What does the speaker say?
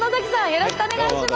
よろしくお願いします！